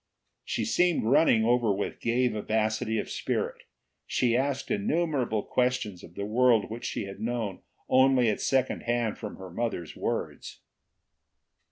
She seemed running over with gay vivacity of spirit; she asked innumerable questions of the world which she had known only at second hand from her mother's words.